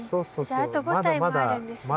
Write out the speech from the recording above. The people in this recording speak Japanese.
あと５体もあるんですね。